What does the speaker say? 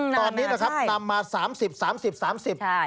ตอนนี้นะครับนำมา๓๐๓๐๓๐บาท